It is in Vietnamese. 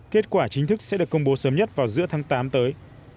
kết quả chính thức sẽ được công bố sớm nhất vào giữa tháng tám tới